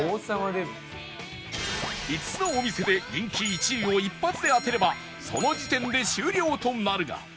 ５つのお店で人気１位を一発で当てればその時点で終了となるが